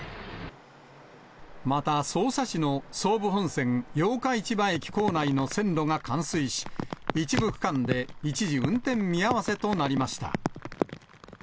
また、匝瑳市の総武本線八日市場駅構内の線路が冠水し、一部区間で一時、運転見合わせとなりました。